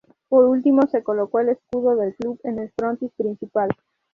Por último se colocó el Escudo del Club en el frontis principal.